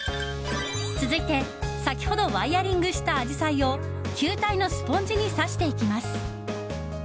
続いて、先ほどワイヤリングしたアジサイを球体のスポンジに挿していきます。